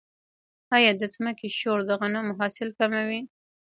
آیا د ځمکې شور د غنمو حاصل کموي؟